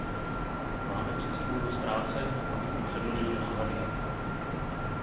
Máme před sebou dost práce, abychom předložili návrhy.